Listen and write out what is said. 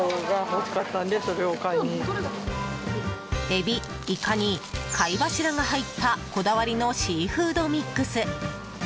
エビ、イカに貝柱が入ったこだわりのシーフードミックス。